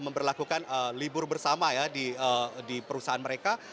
memperlakukan libur bersama ya di perusahaan mereka